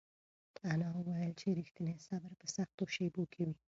انا وویل چې رښتینی صبر په سختو شېبو کې وي.